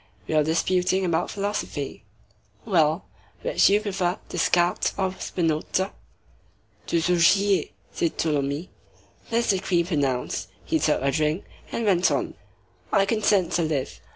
"We were disputing about philosophy." "Well?" "Which do you prefer, Descartes or Spinoza?" "Désaugiers," said Tholomyès. This decree pronounced, he took a drink, and went on:— "I consent to live.